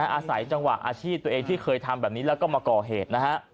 อาศัยจังหวะอาชีพตัวเองที่เคยทำแบบนี้แล้วก็มาก่อเหตุนะฮะ